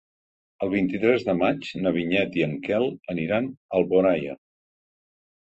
El vint-i-tres de maig na Vinyet i en Quel aniran a Alboraia.